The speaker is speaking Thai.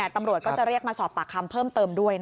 ตำรวจก็จะเรียกมาสอบปากคำเพิ่มเติมด้วย